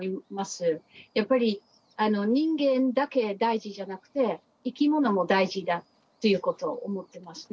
やっぱり人間だけ大事じゃなくていきものも大事だということを思ってますね。